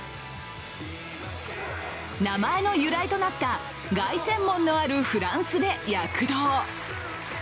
名前の由来となった凱旋門のあるフランスで躍動。